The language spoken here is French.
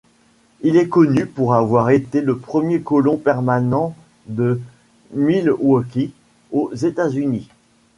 Il est connu pour avoir été le premier colon permanent de Milwaukee aux États-Unis.